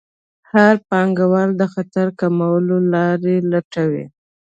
هر پانګوال د خطر کمولو لارې لټوي.